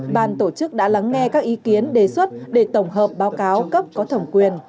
ban tổ chức đã lắng nghe các ý kiến đề xuất để tổng hợp báo cáo cấp có thẩm quyền